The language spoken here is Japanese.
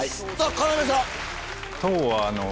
要さん。